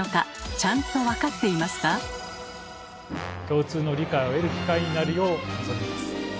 共通の理解を得る機会になるよう望みます。